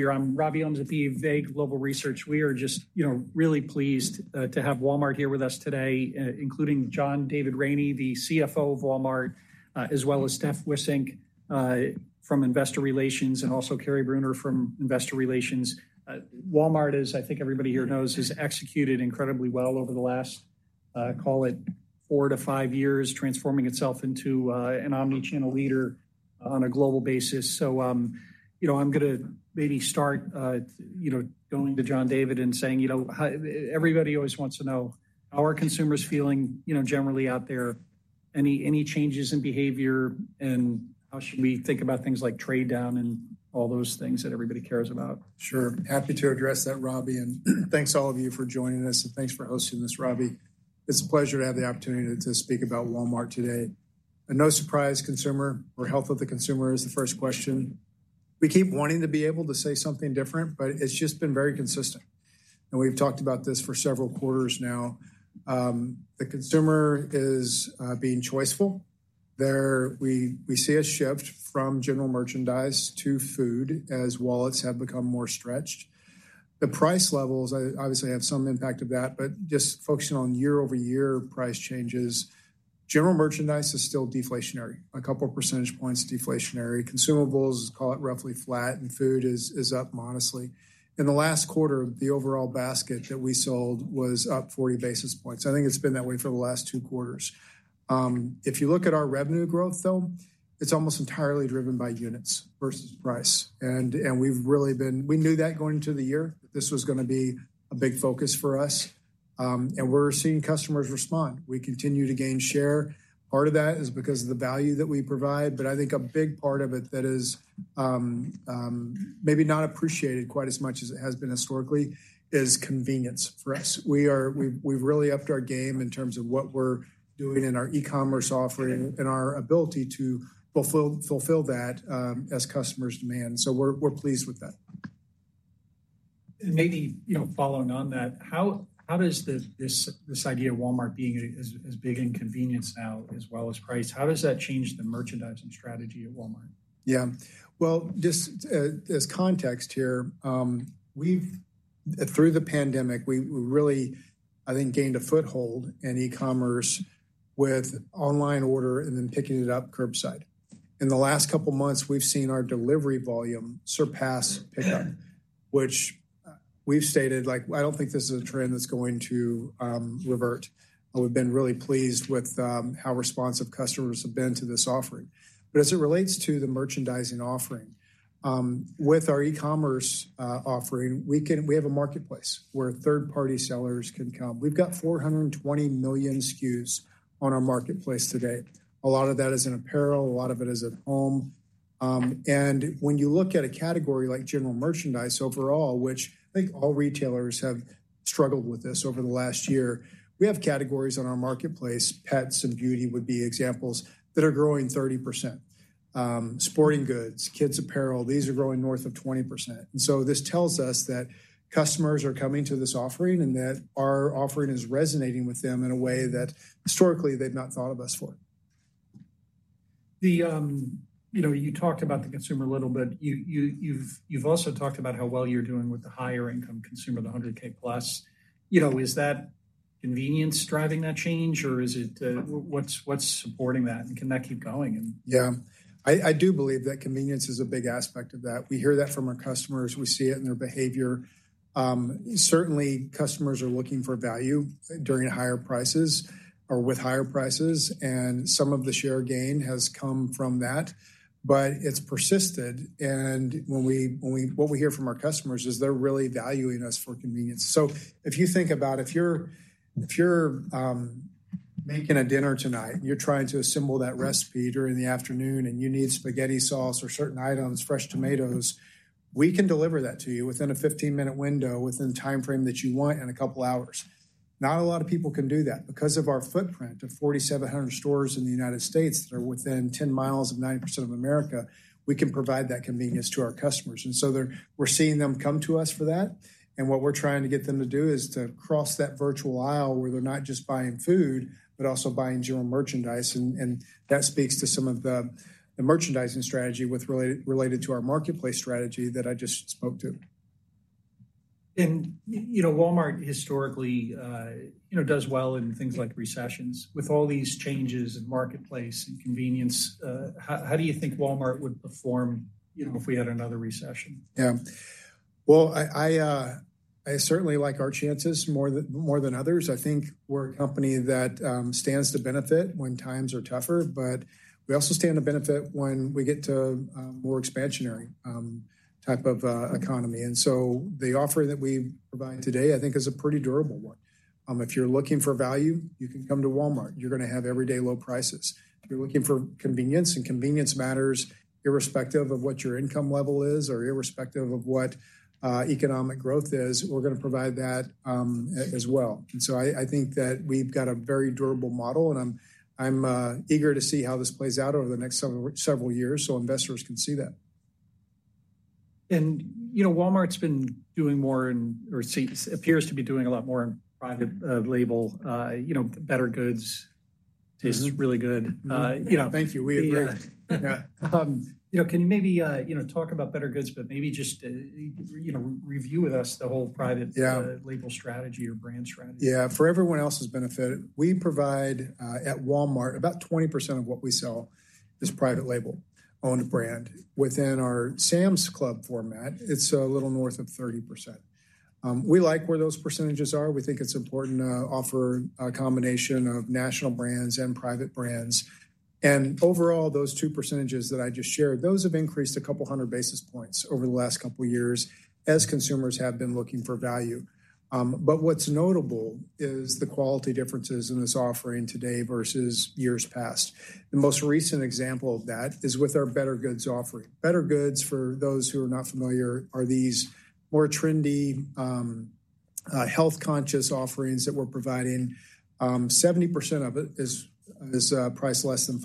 Robby Ohmes at the Bank of America Global Research. We are just, you know, really pleased to have Walmart here with us today, including John David Rainey, the CFO of Walmart, as well as Steph Wissink from Investor Relations, and also Kary Brunner from Investor Relations. Walmart is, I think everybody here knows, has executed incredibly well over the last, call it, four to five years, transforming itself into an omnichannel leader on a global basis. So, you know, I'm going to maybe start, you know, going to John David and saying, you know, everybody always wants to know how are consumers feeling, you know, generally out there, any changes in behavior, and how should we think about things like trade down and all those things that everybody cares about. Sure. Happy to address that, Robby. Thanks to all of you for joining us, and thanks for hosting this, Robby. It's a pleasure to have the opportunity to speak about Walmart today. No surprise, consumer or health of the consumer is the first question. We keep wanting to be able to say something different, but it's just been very consistent. We've talked about this for several quarters now. The consumer is being choiceful. We see a shift from general merchandise to food as wallets have become more stretched. The price levels obviously have some impact of that, but just focusing on year-over-year price changes, general merchandise is still deflationary, a couple of percentage points deflationary. Consumables, call it roughly flat, and food is up modestly. In the last quarter, the overall basket that we sold was up 40 basis points. I think it's been that way for the last two quarters. If you look at our revenue growth, though, it's almost entirely driven by units versus price. And we knew that going into the year that this was going to be a big focus for us. And we're seeing customers respond. We continue to gain share. Part of that is because of the value that we provide. But I think a big part of it that is maybe not appreciated quite as much as it has been historically is convenience for us. We've really upped our game in terms of what we're doing in our e-commerce offering and our ability to fulfill that as customers demand. So we're pleased with that. Maybe, you know, following on that, how does this idea of Walmart being as big in convenience now as well as price, how does that change the merchandising strategy at Walmart? Yeah. Well, just as context here, we've, through the pandemic, we really, I think, gained a foothold in e-commerce with online order and then picking it up curbside. In the last couple of months, we've seen our delivery volume surpass pickup, which we've stated, like, I don't think this is a trend that's going to revert. We've been really pleased with how responsive customers have been to this offering. But as it relates to the merchandising offering, with our e-commerce offering, we have a marketplace where third-party sellers can come. We've got 420 million SKUs on our marketplace today. A lot of that is in apparel. A lot of it is at home. And when you look at a category like general merchandise overall, which I think all retailers have struggled with this over the last year, we have categories on our marketplace, pets and beauty would be examples, that are growing 30%. Sporting goods, kids' apparel, these are growing north of 20%. And so this tells us that customers are coming to this offering and that our offering is resonating with them in a way that historically they've not thought of us for. You know, you talked about the consumer a little bit. You've also talked about how well you're doing with the higher-income consumer, the $100,000+. You know, is that convenience driving that change, or is it, what's supporting that, and can that keep going? Yeah. I do believe that convenience is a big aspect of that. We hear that from our customers. We see it in their behavior. Certainly, customers are looking for value during higher prices or with higher prices. And some of the share gain has come from that, but it's persisted. And what we hear from our customers is they're really valuing us for convenience. So if you think about it, if you're making a dinner tonight and you're trying to assemble that recipe during the afternoon and you need spaghetti sauce or certain items, fresh tomatoes, we can deliver that to you within a 15-minute window, within the timeframe that you want, in a couple of hours. Not a lot of people can do that. Because of our footprint of 4,700 stores in the United States that are within 10 miles of 90% of America, we can provide that convenience to our customers. And so we're seeing them come to us for that. And what we're trying to get them to do is to cross that virtual aisle where they're not just buying food, but also buying general merchandise. And that speaks to some of the merchandising strategy related to our marketplace strategy that I just spoke to. You know, Walmart historically, you know, does well in things like recessions. With all these changes in marketplace and convenience, how do you think Walmart would perform, you know, if we had another recession? Yeah. Well, I certainly like our chances more than others. I think we're a company that stands to benefit when times are tougher, but we also stand to benefit when we get to a more expansionary type of economy. And so the offer that we provide today, I think, is a pretty durable one. If you're looking for value, you can come to Walmart. You're going to have everyday low prices. If you're looking for convenience, and convenience matters irrespective of what your income level is or irrespective of what economic growth is, we're going to provide that as well. And so I think that we've got a very durable model, and I'm eager to see how this plays out over the next several years so investors can see that. You know, Walmart's been doing more in, or appears to be doing a lot more in private label, you know, bettergoods. Tastes really good. Thank you. We agree. Yeah. You know, can you maybe, you know, talk about bettergoods, but maybe just, you know, review with us the whole private label strategy or brand strategy? Yeah. For everyone else's benefit, we provide at Walmart about 20% of what we sell is private label owned brand. Within our Sam's Club format, it's a little north of 30%. We like where those percentages are. We think it's important to offer a combination of national brands and private brands. And overall, those two percentages that I just shared, those have increased a couple hundred basis points over the last couple of years as consumers have been looking for value. But what's notable is the quality differences in this offering today versus years past. The most recent example of that is with our bettergoods offering. bettergoods, for those who are not familiar, are these more trendy, health-conscious offerings that we're providing. 70% of it is priced less than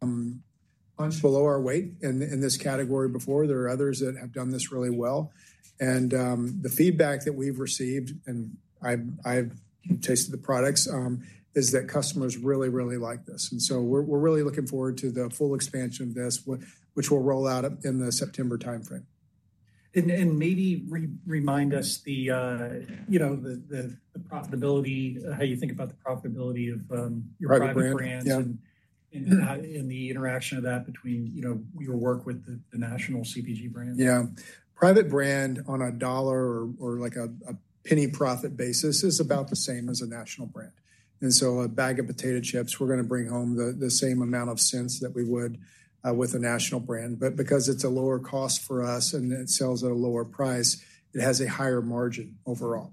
$10, below our average in this category before. There are others that have done this really well. The feedback that we've received, and I've tasted the products, is that customers really, really like this. So we're really looking forward to the full expansion of this, which we'll roll out in the September timeframe. Maybe remind us the, you know, the profitability, how you think about the profitability of your private brands and the interaction of that between, you know, your work with the national CPG brands? Yeah. Private brand on a dollar or like a penny profit basis is about the same as a national brand. And so a bag of potato chips, we're going to bring home the same amount of cents that we would with a national brand. But because it's a lower cost for us and it sells at a lower price, it has a higher margin overall.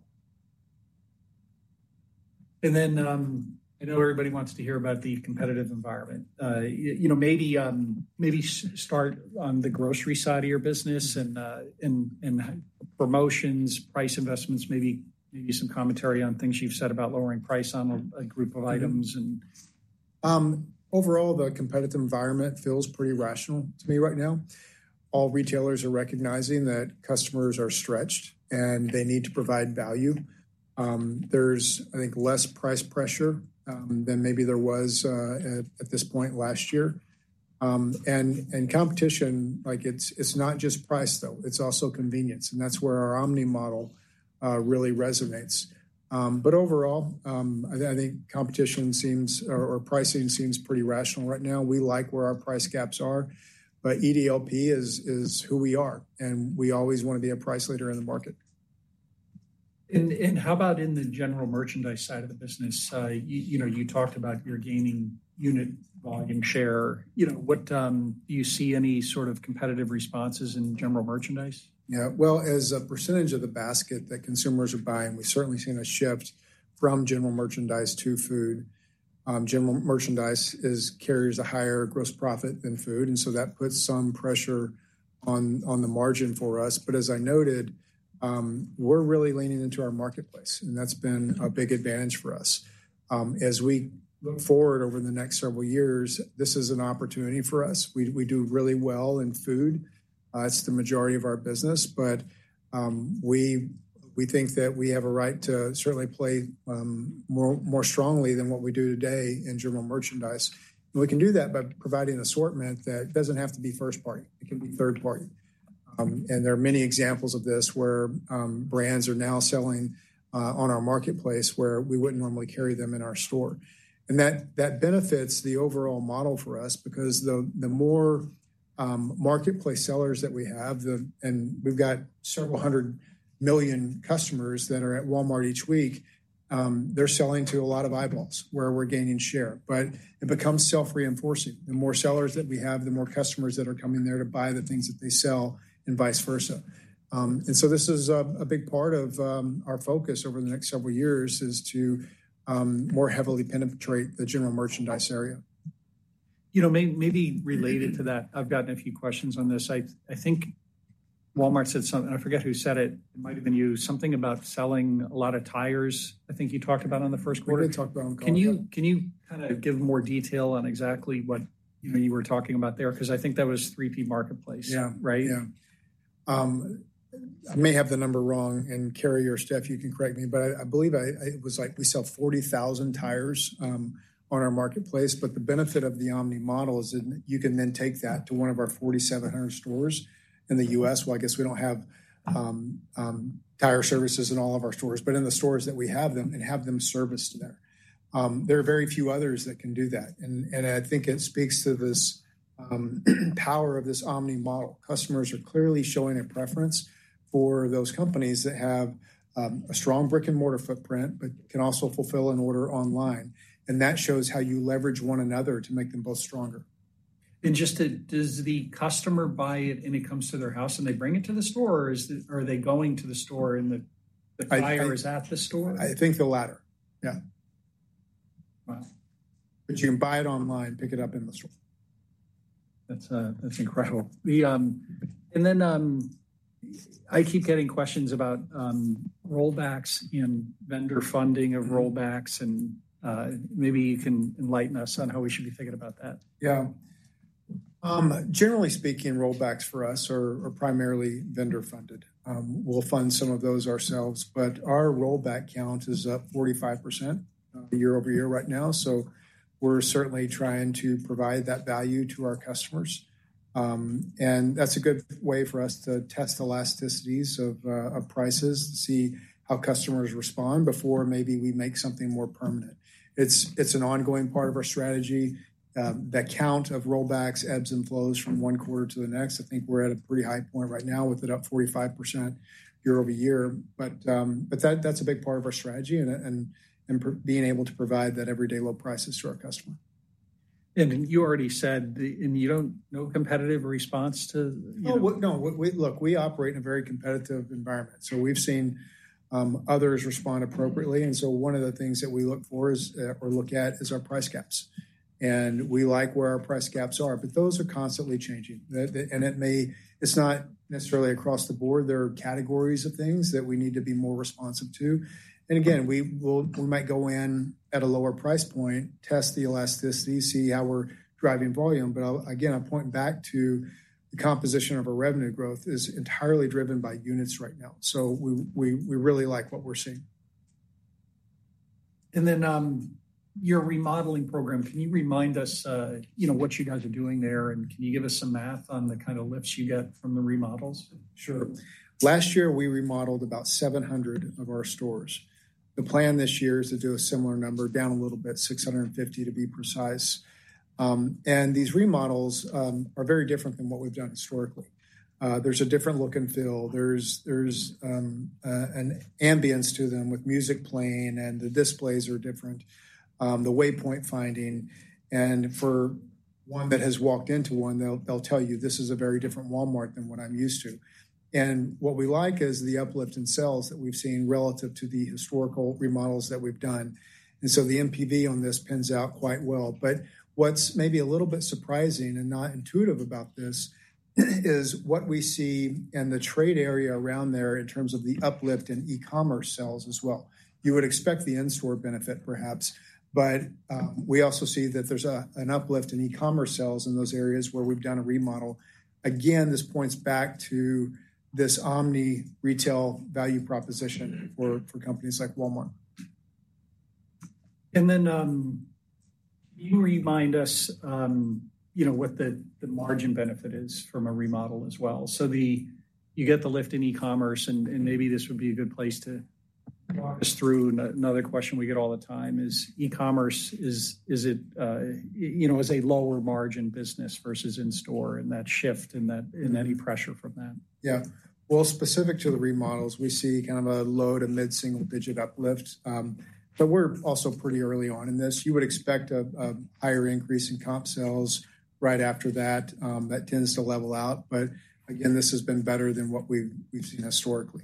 Then I know everybody wants to hear about the competitive environment. You know, maybe start on the grocery side of your business and promotions, price investments, maybe some commentary on things you've said about lowering price on a group of items. Overall, the competitive environment feels pretty rational to me right now. All retailers are recognizing that customers are stretched and they need to provide value. There's, I think, less price pressure than maybe there was at this point last year. And competition, like, it's not just price, though. It's also convenience. And that's where our omni model really resonates. But overall, I think competition seems, or pricing seems pretty rational right now. We like where our price gaps are, but EDLP is who we are, and we always want to be a price leader in the market. How about in the general merchandise side of the business? You know, you talked about your gaining unit volume share. You know, do you see any sort of competitive responses in general merchandise? Yeah. Well, as a percentage of the basket that consumers are buying, we've certainly seen a shift from general merchandise to food. General merchandise carries a higher gross profit than food, and so that puts some pressure on the margin for us. But as I noted, we're really leaning into our marketplace, and that's been a big advantage for us. As we look forward over the next several years, this is an opportunity for us. We do really well in food. That's the majority of our business, but we think that we have a right to certainly play more strongly than what we do today in general merchandise. And we can do that by providing an assortment that doesn't have to be first party. It can be third party. There are many examples of this where brands are now selling on our marketplace where we wouldn't normally carry them in our store. That benefits the overall model for us because the more marketplace sellers that we have, and we've got several hundred million customers that are at Walmart each week, they're selling to a lot of eyeballs where we're gaining share. But it becomes self-reinforcing. The more sellers that we have, the more customers that are coming there to buy the things that they sell and vice versa. This is a big part of our focus over the next several years: to more heavily penetrate the general merchandise area. You know, maybe related to that, I've gotten a few questions on this. I think Walmart said something, I forget who said it. It might have been you, something about selling a lot of tires. I think you talked about it on the first quarter. We did talk about it on the quarterly. Can you kind of give more detail on exactly what you were talking about there? Because I think that was 3P Marketplace, right? Yeah. I may have the number wrong, Kary, you can correct me, but I believe it was like we sell 40,000 tires on our marketplace. But the benefit of the omni model is that you can then take that to one of our 4,700 stores in the U.S. Well, I guess we don't have tire services in all of our stores, but in the stores that we have them and have them serviced there. There are very few others that can do that. And I think it speaks to this power of this omni model. Customers are clearly showing a preference for those companies that have a strong brick-and-mortar footprint, but can also fulfill an order online. And that shows how you leverage one another to make them both stronger. Just to, does the customer buy it and it comes to their house and they bring it to the store, or are they going to the store and the tire is at the store? I think the latter. Yeah. Wow. But you can buy it online, pick it up in the store. That's incredible. Then I keep getting questions about rollbacks and vendor funding of rollbacks, and maybe you can enlighten us on how we should be thinking about that. Yeah. Generally speaking, rollbacks for us are primarily vendor-funded. We'll fund some of those ourselves, but our rollback count is up 45% year-over-year right now. So we're certainly trying to provide that value to our customers. And that's a good way for us to test elasticities of prices, to see how customers respond before maybe we make something more permanent. It's an ongoing part of our strategy. The count of rollbacks ebbs and flows from one quarter to the next. I think we're at a pretty high point right now with it up 45% year-over-year. But that's a big part of our strategy and being able to provide that everyday low prices to our customer. You already said, and you don't know competitive response to. No, look, we operate in a very competitive environment. So we've seen others respond appropriately. So one of the things that we look for or look at is our price gaps. And we like where our price gaps are, but those are constantly changing. And it may; it's not necessarily across the board. There are categories of things that we need to be more responsive to. And again, we might go in at a lower price point, test the elasticity, see how we're driving volume. But again, I'm pointing back to the composition of our revenue growth, which is entirely driven by units right now. So we really like what we're seeing. And then your remodeling program, can you remind us, you know, what you guys are doing there? And can you give us some math on the kind of lifts you get from the remodels? Sure. Last year, we remodeled about 700 of our stores. The plan this year is to do a similar number, down a little bit, 650 to be precise. These remodels are very different than what we've done historically. There's a different look and feel. There's an ambiance to them with music playing, and the displays are different, the waypoint finding. For one that has walked into one, they'll tell you, "This is a very different Walmart than what I'm used to." What we like is the uplift in sales that we've seen relative to the historical remodels that we've done. So the NPV on this pans out quite well. What's maybe a little bit surprising and not intuitive about this is what we see in the trade area around there in terms of the uplift in e-commerce sales as well. You would expect the in-store benefit, perhaps, but we also see that there's an uplift in e-commerce sales in those areas where we've done a remodel. Again, this points back to this omni retail value proposition for companies like Walmart. And then can you remind us, you know, what the margin benefit is from a remodel as well? So you get the lift in e-commerce, and maybe this would be a good place to walk us through. Another question we get all the time is e-commerce, is it, you know, is a lower margin business versus in-store and that shift and any pressure from that? Yeah. Well, specific to the remodels, we see kind of a low to mid-single digit uplift, but we're also pretty early on in this. You would expect a higher increase in comp sales right after that. That tends to level out, but again, this has been better than what we've seen historically.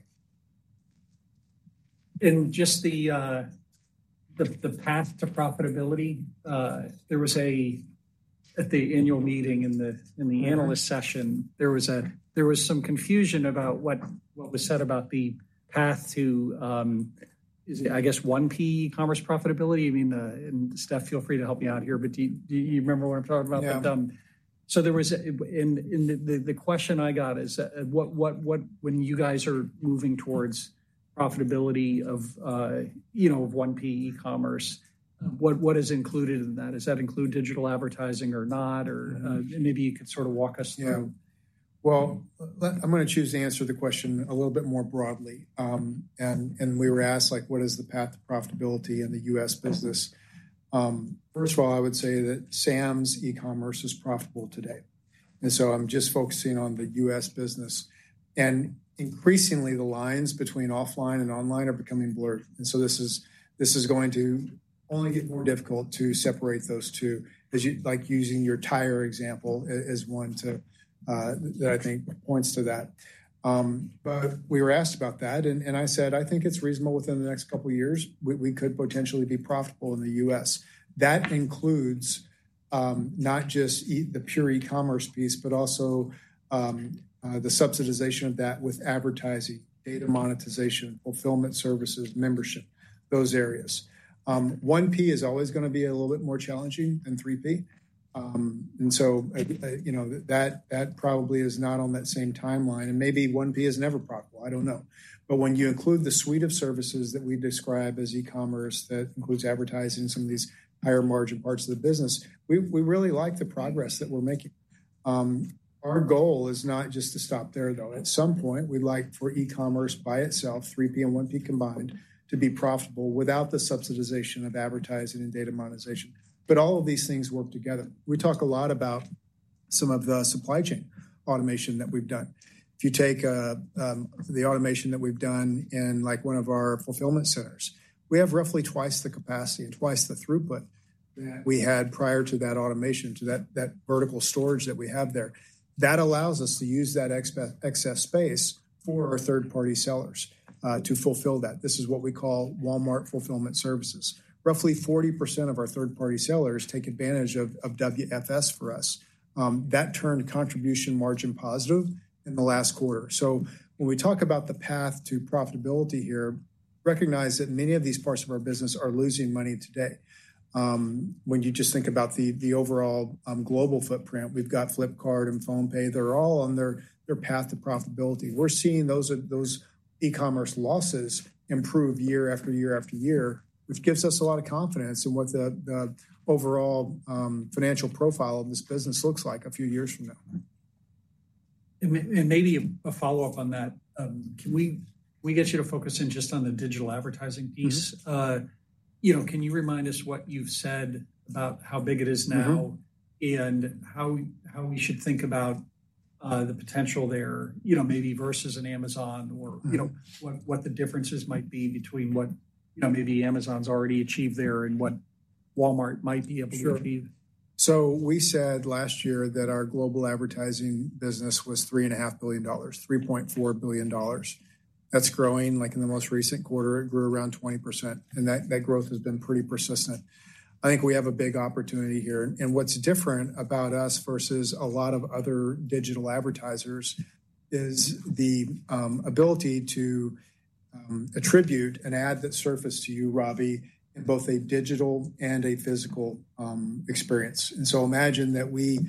Just the path to profitability, there was, at the annual meeting in the analyst session, there was some confusion about what was said about the path to, I guess, 1P e-commerce profitability. I mean, Steph, feel free to help me out here, but do you remember what I'm talking about? Yeah. The question I got is, when you guys are moving towards profitability of, you know, of 1P e-commerce, what is included in that? Does that include digital advertising or not? Or maybe you could sort of walk us through. Well, I'm going to choose to answer the question a little bit more broadly. We were asked, like, what is the path to profitability in the US business? First of all, I would say that Sam's e-commerce is profitable today. I'm just focusing on the US business. Increasingly, the lines between offline and online are becoming blurred. This is going to only get more difficult to separate those two, like using your tire example as one that I think points to that. But we were asked about that, and I said, "I think it's reasonable within the next couple of years we could potentially be profitable in the US." That includes not just the pure e-commerce piece, but also the subsidization of that with advertising, data monetization, fulfillment services, membership, those areas. 1P is always going to be a little bit more challenging than 3P. And so, you know, that probably is not on that same timeline. And maybe 1P is never profitable. I don't know. But when you include the suite of services that we describe as e-commerce that includes advertising some of these higher margin parts of the business, we really like the progress that we're making. Our goal is not just to stop there, though. At some point, we'd like for e-commerce by itself, 3P and 1P combined, to be profitable without the subsidization of advertising and data monetization. But all of these things work together. We talk a lot about some of the supply chain automation that we've done. If you take the automation that we've done in like one of our fulfillment centers, we have roughly twice the capacity and twice the throughput that we had prior to that automation, to that vertical storage that we have there. That allows us to use that excess space for our third-party sellers to fulfill that. This is what we call Walmart Fulfillment Services. Roughly 40% of our third-party sellers take advantage of WFS for us. That turned contribution margin positive in the last quarter. So when we talk about the path to profitability here, recognize that many of these parts of our business are losing money today. When you just think about the overall global footprint, we've got Flipkart and PhonePe. They're all on their path to profitability. We're seeing those E-commerce losses improve year after year after year, which gives us a lot of confidence in what the overall financial profile of this business looks like a few years from now. Maybe a follow-up on that. Can we get you to focus in just on the digital advertising piece? You know, can you remind us what you've said about how big it is now and how we should think about the potential there, you know, maybe versus an Amazon or, you know, what the differences might be between what, you know, maybe Amazon's already achieved there and what Walmart might be able to achieve. Sure. So we said last year that our global advertising business was $3.5 billion, $3.4 billion. That's growing, like in the most recent quarter, it grew around 20%. And that growth has been pretty persistent. I think we have a big opportunity here. And what's different about us versus a lot of other digital advertisers is the ability to attribute an ad that surfaced to you, Robby, in both a digital and a physical experience. And so imagine that we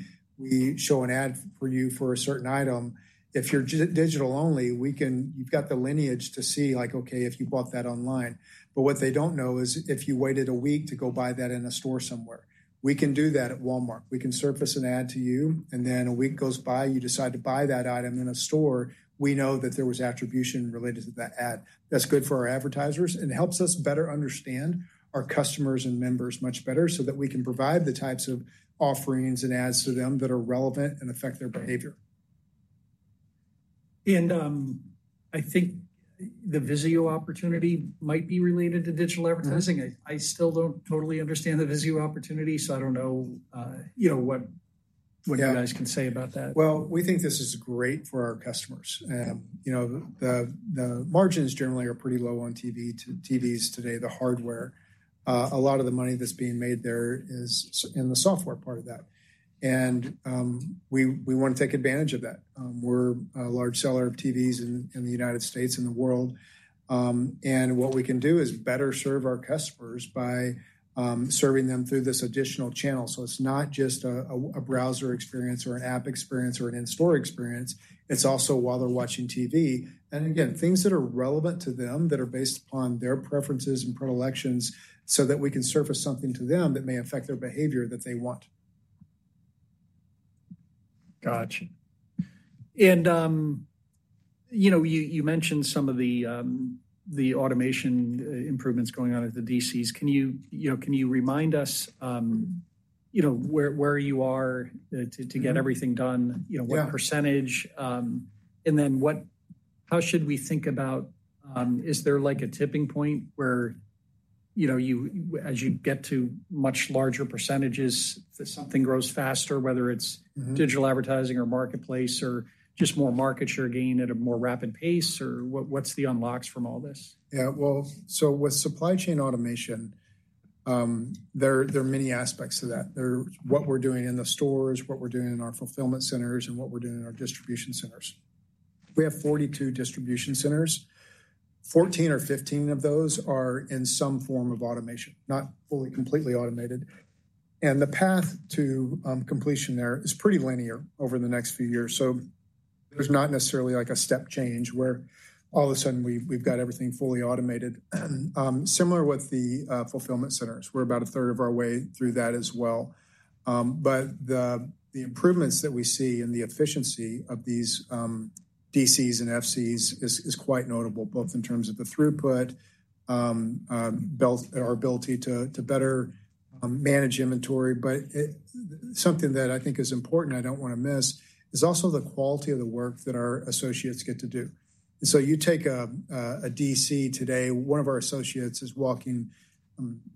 show an ad for you for a certain item. If you're digital only, we can, you've got the lineage to see like, okay, if you bought that online. But what they don't know is if you waited a week to go buy that in a store somewhere. We can do that at Walmart. We can surface an ad to you, and then a week goes by, you decide to buy that item in a store, we know that there was attribution related to that ad. That's good for our advertisers, and it helps us better understand our customers and members much better so that we can provide the types of offerings and ads to them that are relevant and affect their behavior. I think the VIZIO opportunity might be related to digital advertising. I still don't totally understand the VIZIO opportunity, so I don't know, you know, what you guys can say about that. Well, we think this is great for our customers. You know, the margins generally are pretty low on TVs today, the hardware. A lot of the money that's being made there is in the software part of that. We want to take advantage of that. We're a large seller of TVs in the United States and the world. What we can do is better serve our customers by serving them through this additional channel. It's not just a browser experience or an app experience or an in-store experience. It's also while they're watching TV. Again, things that are relevant to them that are based upon their preferences and predilections so that we can surface something to them that may affect their behavior that they want. Gotcha. And, you know, you mentioned some of the automation improvements going on at the DCs. Can you, you know, can you remind us, you know, where you are to get everything done, you know, what percentage, and then how should we think about, is there like a tipping point where, you know, as you get to much larger percentages, something grows faster, whether it's digital advertising or marketplace or just more market share gain at a more rapid pace, or what's the unlocks from all this? Yeah, well, so with supply chain automation, there are many aspects to that. There's what we're doing in the stores, what we're doing in our fulfillment centers, and what we're doing in our distribution centers. We have 42 distribution centers. 14 or 15 of those are in some form of automation, not fully completely automated. The path to completion there is pretty linear over the next few years. There's not necessarily like a step change where all of a sudden we've got everything fully automated. Similar with the fulfillment centers, we're about a third of our way through that as well. The improvements that we see in the efficiency of these DCs and FCs is quite notable, both in terms of the throughput, our ability to better manage inventory. But something that I think is important, I don't want to miss, is also the quality of the work that our associates get to do. And so you take a DC today, one of our associates is walking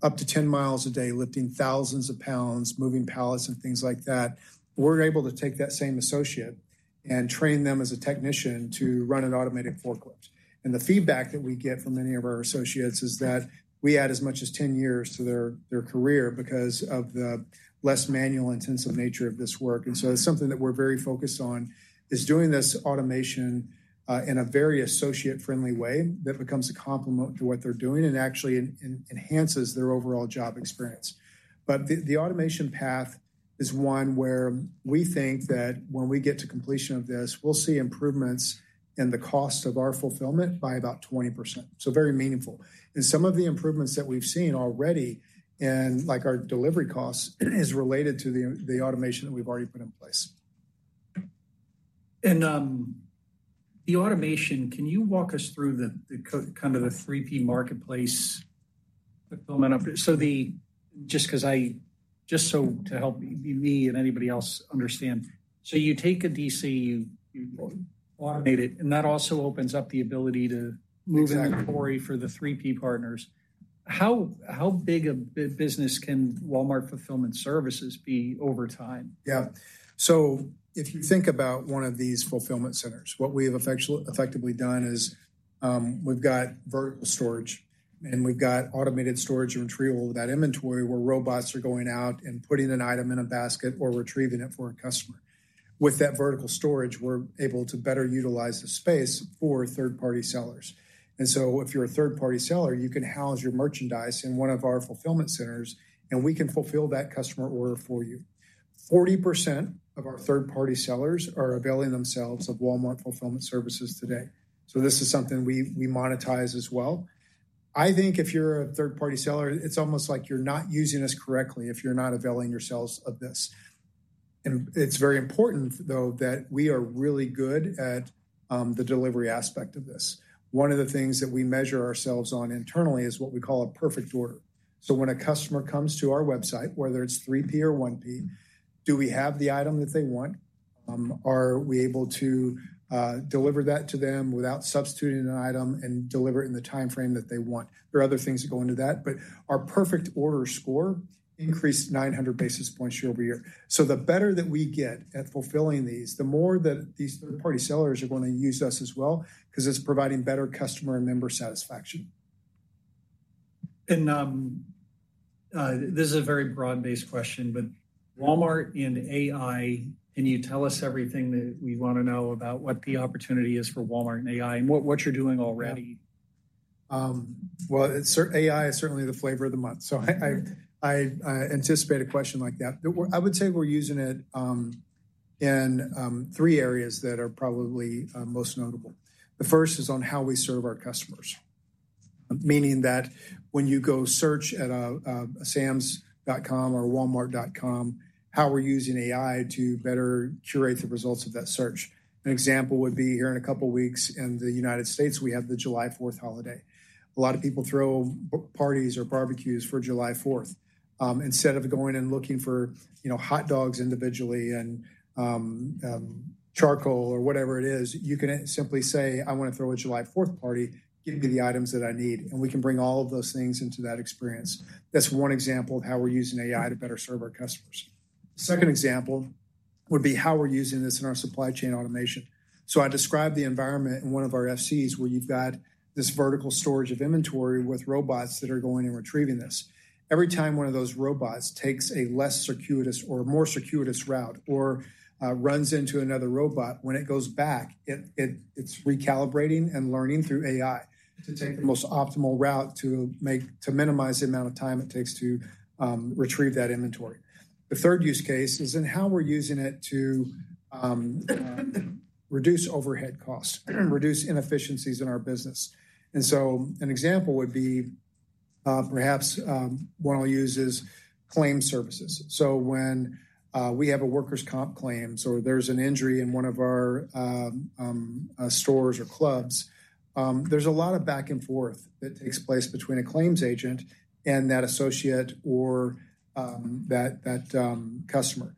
up to 10 miles a day, lifting thousands of pounds, moving pallets and things like that. We're able to take that same associate and train them as a technician to run an automated forklift. And the feedback that we get from many of our associates is that we add as much as 10 years to their career because of the less manual intensive nature of this work. And so it's something that we're very focused on, is doing this automation in a very associate-friendly way that becomes a complement to what they're doing and actually enhances their overall job experience. But the automation path is one where we think that when we get to completion of this, we'll see improvements in the cost of our fulfillment by about 20%. So very meaningful. And some of the improvements that we've seen already in like our delivery costs is related to the automation that we've already put in place. The automation, can you walk us through the kind of the 3P marketplace fulfillment up there? So, just to help me and anybody else understand, you take a DC, you automate it, and that also opens up the ability to move inventory for the 3P partners. How big a business can Walmart Fulfillment Services be over time? Yeah. So if you think about one of these fulfillment centers, what we have effectively done is we've got vertical storage, and we've got automated storage and retrieval of that inventory where robots are going out and putting an item in a basket or retrieving it for a customer. With that vertical storage, we're able to better utilize the space for third-party sellers. And so if you're a third-party seller, you can house your merchandise in one of our fulfillment centers, and we can fulfill that customer order for you. 40% of our third-party sellers are availing themselves of Walmart Fulfillment Services today. So this is something we monetize as well. I think if you're a third-party seller, it's almost like you're not using us correctly if you're not availing yourselves of this. And it's very important, though, that we are really good at the delivery aspect of this. One of the things that we measure ourselves on internally is what we call a perfect order. So when a customer comes to our website, whether it's 3P or 1P, do we have the item that they want? Are we able to deliver that to them without substituting an item and deliver it in the timeframe that they want? There are other things that go into that, but our perfect order score increased 900 basis points year-over-year. So the better that we get at fulfilling these, the more that these third-party sellers are going to use us as well, because it's providing better customer and member satisfaction. This is a very broad-based question, but Walmart and AI, can you tell us everything that we want to know about what the opportunity is for Walmart and AI and what you're doing already? Well, AI is certainly the flavor of the month. So I anticipate a question like that. I would say we're using it in three areas that are probably most notable. The first is on how we serve our customers, meaning that when you go search at a samsclub.com or walmart.com, how we're using AI to better curate the results of that search. An example would be here in a couple of weeks in the United States, we have the July 4th holiday. A lot of people throw parties or barbecues for July 4th. Instead of going and looking for, you know, hot dogs individually and charcoal or whatever it is, you can simply say, "I want to throw a July 4th party. Give me the items that I need." And we can bring all of those things into that experience. That's one example of how we're using AI to better serve our customers. The second example would be how we're using this in our supply chain automation. So I described the environment in one of our FCs where you've got this vertical storage of inventory with robots that are going and retrieving this. Every time one of those robots takes a less circuitous or more circuitous route or runs into another robot, when it goes back, it's recalibrating and learning through AI to take the most optimal route to minimize the amount of time it takes to retrieve that inventory. The third use case is in how we're using it to reduce overhead costs, reduce inefficiencies in our business. And so an example would be perhaps one I'll use is claim services. So when we have a workers' comp claim or there's an injury in one of our stores or clubs, there's a lot of back and forth that takes place between a claims agent and that associate or that customer.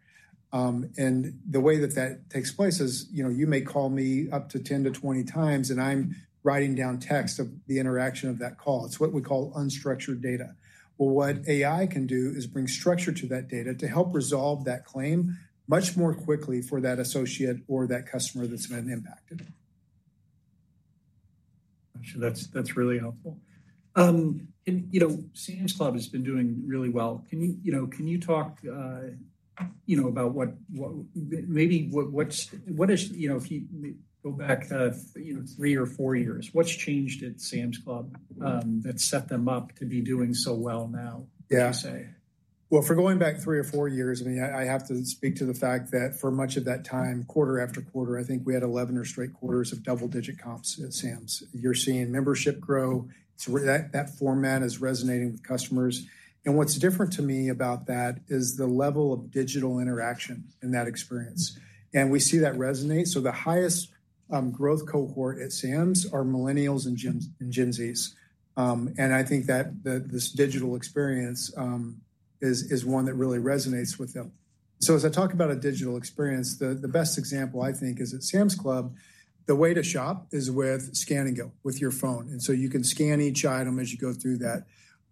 And the way that that takes place is, you know, you may call me up to 10-20 times, and I'm writing down text of the interaction of that call. It's what we call unstructured data. Well, what AI can do is bring structure to that data to help resolve that claim much more quickly for that associate or that customer that's been impacted. That's really helpful. You know, Sam's Club has been doing really well. Can you, you know, can you talk, you know, about what, maybe what's, what is, you know, if you go back, you know, three or four years, what's changed at Sam's Club that set them up to be doing so well now, you say? Yeah. Well, if we're going back three or four years, I mean, I have to speak to the fact that for much of that time, quarter after quarter, I think we had 11 straight quarters of double-digit comps at Sam's. You're seeing membership grow. That format is resonating with customers. What's different to me about that is the level of digital interaction in that experience. We see that resonate. So the highest growth cohort at Sam's are Millennials and Gen Zs. I think that this digital experience is one that really resonates with them. So as I talk about a digital experience, the best example I think is at Sam's Club, the way to shop is with Scan & Go, with your phone. You can scan each item as you go through that.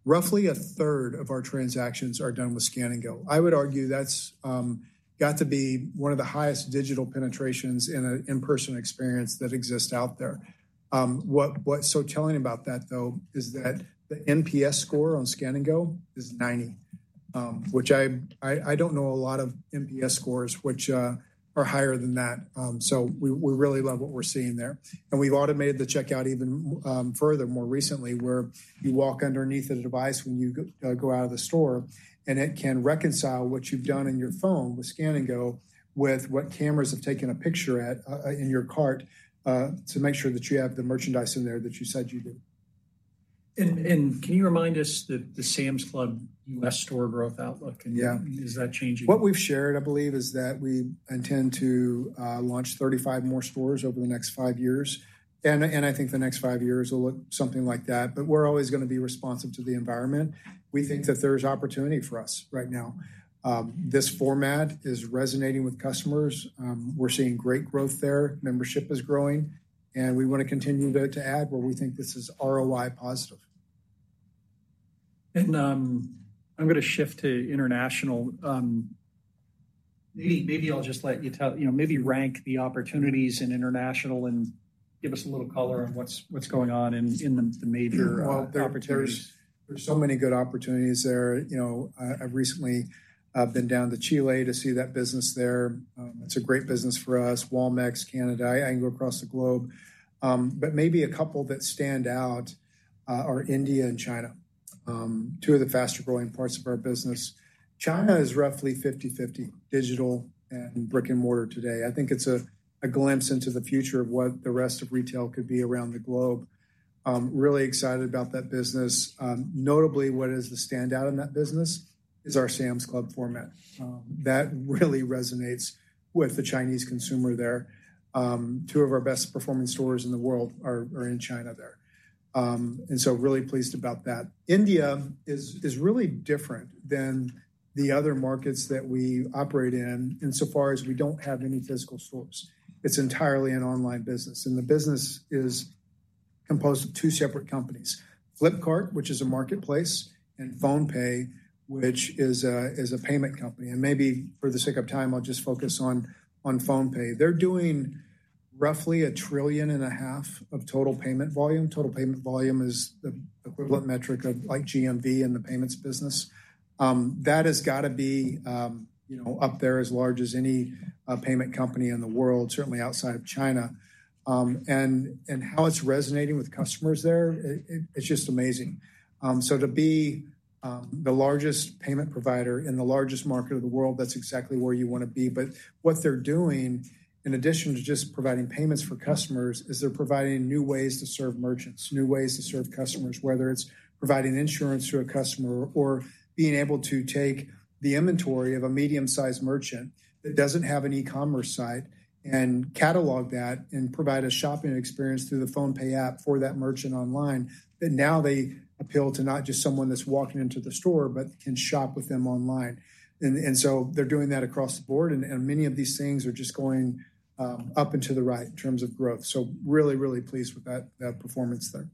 Roughly a third of our transactions are done with Scan & Go. I would argue that's got to be one of the highest digital penetrations in an in-person experience that exists out there. What's so telling about that, though, is that the NPS score on Scan & Go is 90, which I don't know a lot of NPS scores which are higher than that. So we really love what we're seeing there. And we've automated the checkout even further more recently where you walk underneath the device when you go out of the store, and it can reconcile what you've done in your phone with Scan & Go with what cameras have taken a picture at in your cart to make sure that you have the merchandise in there that you said you did. Can you remind us that the Sam's Club U.S. store growth outlook? Yeah. Is that changing? What we've shared, I believe, is that we intend to launch 35 more stores over the next five years. I think the next five years will look something like that. But we're always going to be responsive to the environment. We think that there's opportunity for us right now. This format is resonating with customers. We're seeing great growth there. Membership is growing. We want to continue to add where we think this is ROI positive. I'm going to shift to international. Maybe I'll just let you tell, you know, maybe rank the opportunities in international and give us a little color on what's going on in the major opportunities. Well, there's so many good opportunities there. You know, I've recently been down to Chile to see that business there. It's a great business for us. Walmart Canada, I can go across the globe. But maybe a couple that stand out are India and China, two of the faster growing parts of our business. China is roughly 50/50 digital and brick-and-mortar today. I think it's a glimpse into the future of what the rest of retail could be around the globe. Really excited about that business. Notably, what is the standout in that business is our Sam's Club format. That really resonates with the Chinese consumer there. Two of our best performing stores in the world are in China there. And so really pleased about that. India is really different than the other markets that we operate in insofar as we don't have any physical stores. It's entirely an online business. The business is composed of two separate companies, Flipkart, which is a marketplace, and PhonePe, which is a payment company. Maybe for the sake of time, I'll just focus on PhonePe. They're doing roughly $1.5 trillion of total payment volume. Total payment volume is the equivalent metric of like GMV in the payments business. That has got to be, you know, up there as large as any payment company in the world, certainly outside of China. And how it's resonating with customers there, it's just amazing. So to be the largest payment provider in the largest market of the world, that's exactly where you want to be. But what they're doing, in addition to just providing payments for customers, is they're providing new ways to serve merchants, new ways to serve customers, whether it's providing insurance to a customer or being able to take the inventory of a medium-sized merchant that doesn't have an e-commerce site and catalog that and provide a shopping experience through the PhonePe app for that merchant online, that now they appeal to not just someone that's walking into the store, but can shop with them online. And so they're doing that across the board. And many of these things are just going up and to the right in terms of growth. So really, really pleased with that performance there.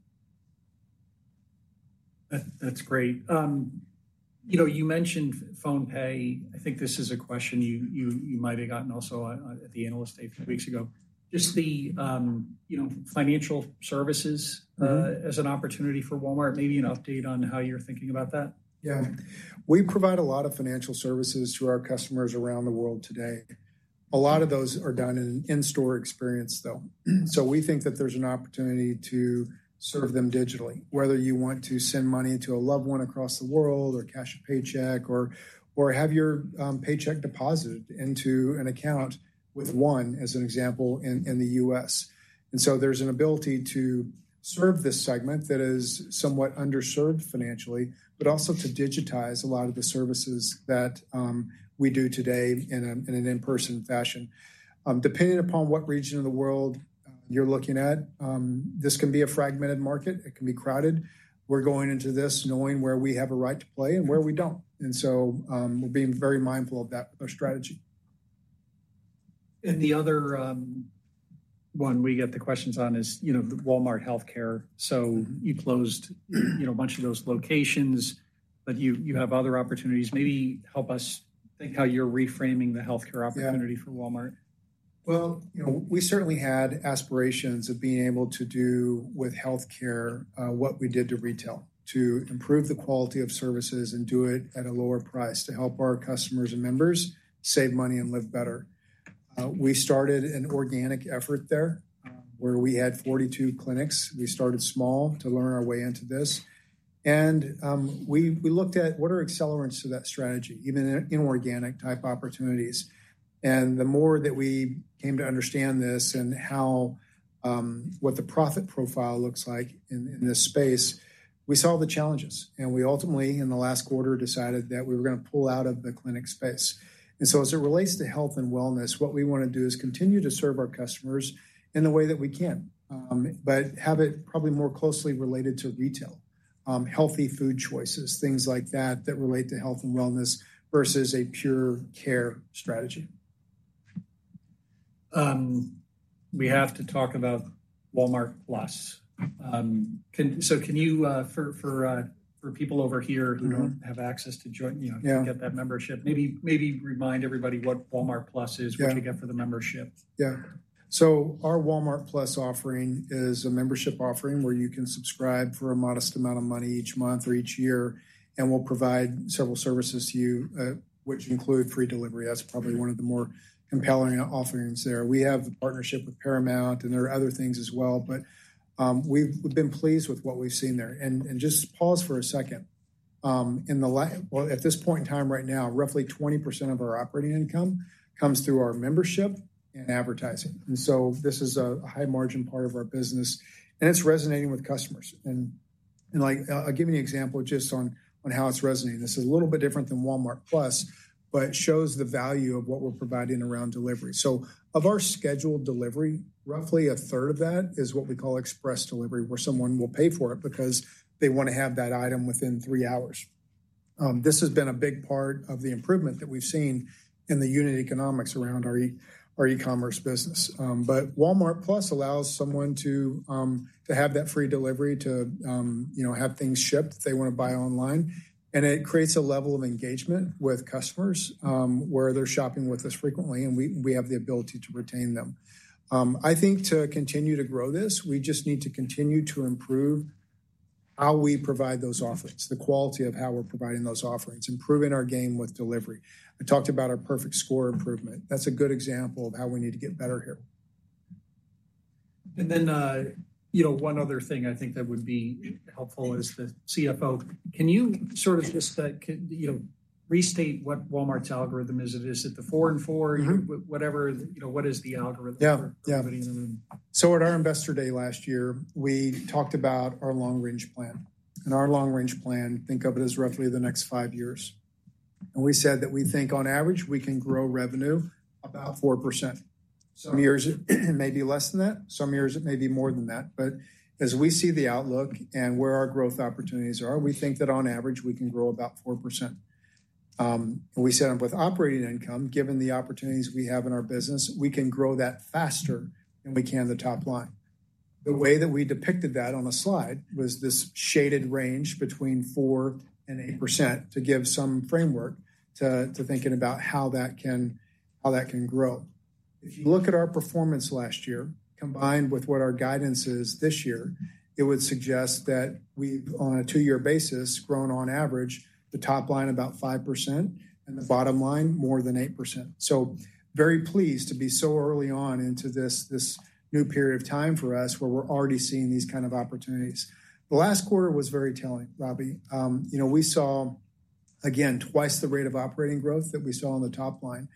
That's great. You know, you mentioned PhonePe. I think this is a question you might have gotten also at the analyst a few weeks ago. Just the, you know, financial services as an opportunity for Walmart, maybe an update on how you're thinking about that? Yeah. We provide a lot of financial services to our customers around the world today. A lot of those are done in an in-store experience, though. So we think that there's an opportunity to serve them digitally, whether you want to send money to a loved one across the world or cash a paycheck or have your paycheck deposited into an account with one as an example in the U.S. And so there's an ability to serve this segment that is somewhat underserved financially, but also to digitize a lot of the services that we do today in an in-person fashion. Depending upon what region of the world you're looking at, this can be a fragmented market. It can be crowded. We're going into this knowing where we have a right to play and where we don't. And so we're being very mindful of that strategy. The other one we get the questions on is, you know, Walmart Health. So you closed, you know, a bunch of those locations, but you have other opportunities. Maybe help us think how you're reframing the healthcare opportunity for Walmart. Well, you know, we certainly had aspirations of being able to do with healthcare what we did to retail, to improve the quality of services and do it at a lower price to help our customers and members save money and live better. We started an organic effort there where we had 42 clinics. We started small to learn our way into this. And we looked at what are accelerants to that strategy, even inorganic type opportunities. And the more that we came to understand this and what the profit profile looks like in this space, we saw the challenges. And we ultimately, in the last quarter, decided that we were going to pull out of the clinic space. And so as it relates to health and wellness, what we want to do is continue to serve our customers in the way that we can, but have it probably more closely related to retail, healthy food choices, things like that that relate to health and wellness versus a pure care strategy. We have to talk about Walmart+. So can you, for people over here who don't have access to join, you know, get that membership, maybe remind everybody what Walmart+ is, what you get for the membership? Yeah. So our Walmart+ offering is a membership offering where you can subscribe for a modest amount of money each month or each year, and we'll provide several services to you, which include free delivery. That's probably one of the more compelling offerings there. We have a partnership with Paramount+, and there are other things as well, but we've been pleased with what we've seen there. And just pause for a second. At this point in time right now, roughly 20% of our operating income comes through our membership and advertising. And so this is a high-margin part of our business, and it's resonating with customers. And I'll give you an example just on how it's resonating. This is a little bit different than Walmart+, but it shows the value of what we're providing around delivery. So of our scheduled delivery, roughly a third of that is what we call Express Delivery, where someone will pay for it because they want to have that item within three hours. This has been a big part of the improvement that we've seen in the unit economics around our e-commerce business. But Walmart+ allows someone to have that free delivery, to, you know, have things shipped if they want to buy online. And it creates a level of engagement with customers where they're shopping with us frequently, and we have the ability to retain them. I think to continue to grow this, we just need to continue to improve how we provide those offerings, the quality of how we're providing those offerings, improving our game with delivery. I talked about our perfect order improvement. That's a good example of how we need to get better here. And then, you know, one other thing I think that would be helpful is the CFO. Can you sort of just, you know, restate what Walmart's algorithm is? Is it the four and four, whatever, you know, what is the algorithm? Yeah. So at our Investor Day last year, we talked about our long-range plan. Our long-range plan, think of it as roughly the next 5 years. We said that we think on average, we can grow revenue about 4%. Some years, it may be less than that. Some years, it may be more than that. But as we see the outlook and where our growth opportunities are, we think that on average, we can grow about 4%. We said with operating income, given the opportunities we have in our business, we can grow that faster than we can the top-line. The way that we depicted that on a slide was this shaded range between 4%-8% to give some framework to thinking about how that can grow. If you look at our performance last year, combined with what our guidance is this year, it would suggest that we've, on a two-year basis, grown on average, the top-line about 5% and the bottom-line more than 8%. So very pleased to be so early on into this new period of time for us where we're already seeing these kinds of opportunities. The last quarter was very telling, Robby. You know, we saw, again, twice the rate of operating growth that we saw on the top-line,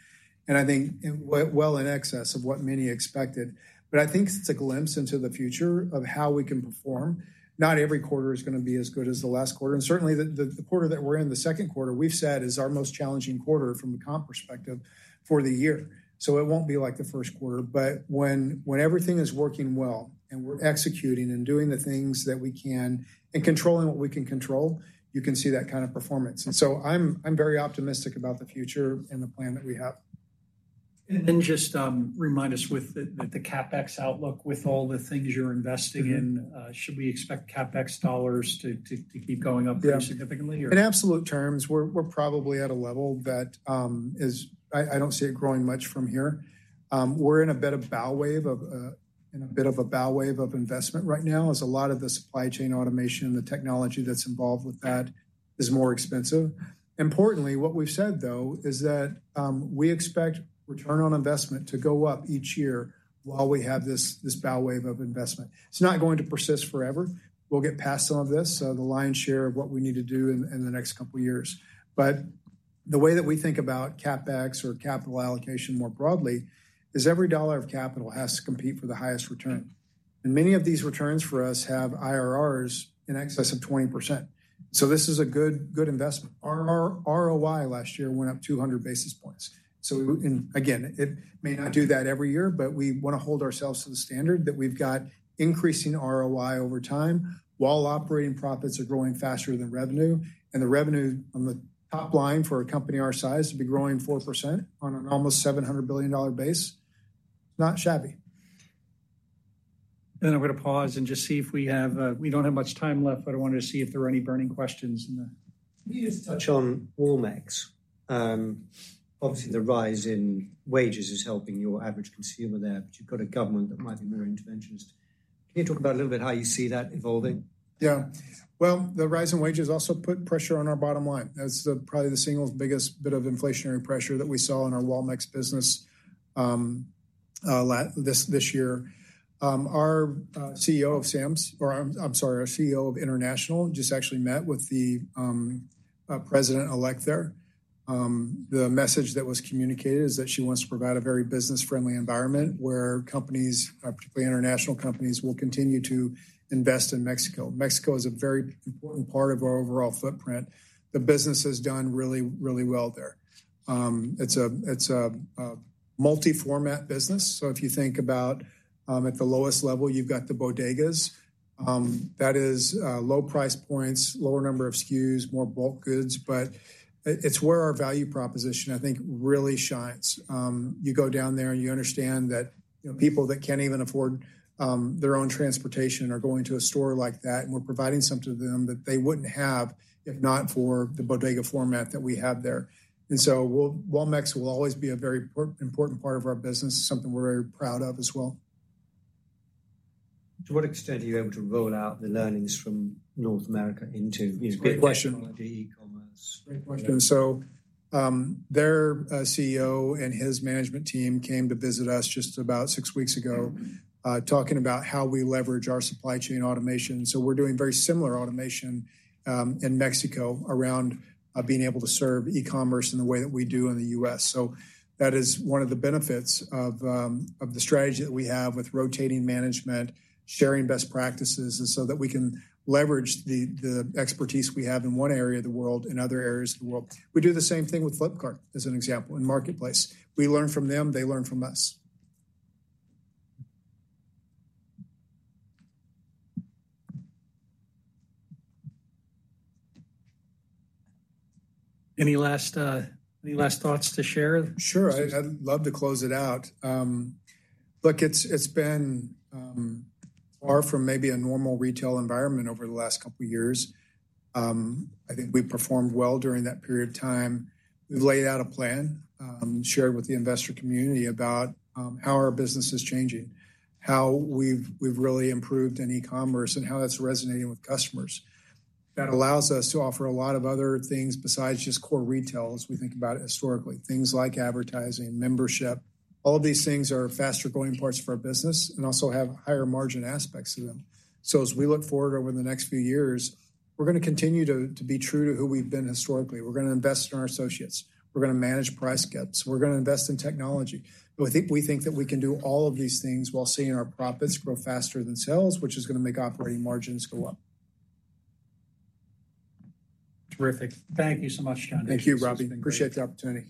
and I think well in excess of what many expected. But I think it's a glimpse into the future of how we can perform. Not every quarter is going to be as good as the last quarter. And certainly, the quarter that we're in, the second quarter, we've said is our most challenging quarter from a comp perspective for the year. It won't be like the first quarter. But when everything is working well and we're executing and doing the things that we can and controlling what we can control, you can see that kind of performance. And so I'm very optimistic about the future and the plan that we have. And then just remind us with the CapEx outlook with all the things you're investing in. Should we expect CapEx dollars to keep going up pretty significantly? In absolute terms, we're probably at a level that is, I don't see it growing much from here. We're in a bit of a bow wave of investment right now, as a lot of the supply chain automation and the technology that's involved with that is more expensive. Importantly, what we've said, though, is that we expect return on investment to go up each year while we have this bow wave of investment. It's not going to persist forever. We'll get past some of this, the lion's share of what we need to do in the next couple of years. But the way that we think about CapEx or capital allocation more broadly is every dollar of capital has to compete for the highest return. And many of these returns for us have IRRs in excess of 20%. So this is a good investment. Our ROI last year went up 200 basis points. So again, it may not do that every year, but we want to hold ourselves to the standard that we've got increasing ROI over time while operating profits are growing faster than revenue. The revenue on the top-line for a company our size to be growing 4% on an almost $700 billion base. It's not shabby. I'm going to pause and just see if we have, we don't have much time left, but I wanted to see if there are any burning questions. Can you just touch on Walmart? Obviously, the rise in wages is helping your average consumer there, but you've got a government that might be more interventionist. Can you talk about a little bit how you see that evolving? Yeah. Well, the rise in wages also put pressure on our bottom-line. That's probably the single biggest bit of inflationary pressure that we saw in our Walmart business this year. Our CEO of Sam's, or I'm sorry, our CEO of International just actually met with the president-elect there. The message that was communicated is that she wants to provide a very business-friendly environment where companies, particularly international companies, will continue to invest in Mexico. Mexico is a very important part of our overall footprint. The business has done really, really well there. It's a multi-format business. So if you think about at the lowest level, you've got the bodegas. That is low price points, lower number of SKUs, more bulk goods, but it's where our value proposition, I think, really shines. You go down there and you understand that people that can't even afford their own transportation are going to a store like that, and we're providing something to them that they wouldn't have if not for the bodega format that we have there. And so Walmart will always be a very important part of our business, something we're very proud of as well. To what extent are you able to roll out the learnings from North America into e-commerce? Great question. So their CEO and his management team came to visit us just about six weeks ago talking about how we leverage our supply chain automation. So we're doing very similar automation in Mexico around being able to serve e-commerce in the way that we do in the U.S. So that is one of the benefits of the strategy that we have with rotating management, sharing best practices, and so that we can leverage the expertise we have in one area of the world in other areas of the world. We do the same thing with Flipkart as an example and Marketplace. We learn from them. They learn from us. Any last thoughts to share? Sure. I'd love to close it out. Look, it's been far from maybe a normal retail environment over the last couple of years. I think we performed well during that period of time. We've laid out a plan shared with the investor community about how our business is changing, how we've really improved in e-commerce, and how that's resonating with customers. That allows us to offer a lot of other things besides just core retail, as we think about historically, things like advertising, membership. All of these things are faster-growing parts of our business and also have higher margin aspects to them. So as we look forward over the next few years, we're going to continue to be true to who we've been historically. We're going to invest in our associates. We're going to manage price gaps. We're going to invest in technology. We think that we can do all of these things while seeing our profits grow faster than sales, which is going to make operating margins go up. Terrific. Thank you so much, John. Thank you, Robbie. Appreciate the opportunity.